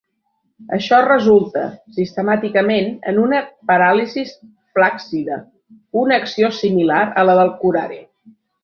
Això resulta, sistemàticament, en una paràlisis flàccida, una acció similar a la del curare.